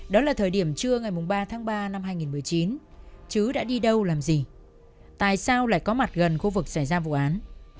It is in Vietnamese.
đó là thời điểm trưa ngày ba tháng ba năm hai nghìn một mươi chín chứ đã đi đâu làm gì tại sao lại có mặt gần khu vực xảy ra vụ án